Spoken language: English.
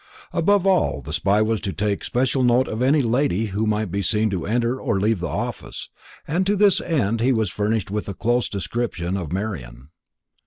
Above all, the spy was to take special note of any lady who might be seen to enter or leave the office, and to this end he was furnished with a close description of Marian.